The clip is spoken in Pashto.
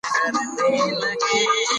خیال د شعري کلام قدرت زیاتوي.